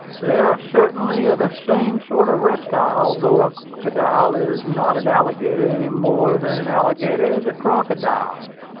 "They are certainly the same sort of reptile, though a crocodile is not an alligator any more than an alligator is a crocodile.